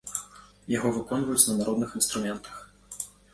Яго выконваюць на народных інструментах.